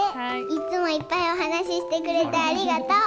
いっつもいっぱいお話してくれてありがとう。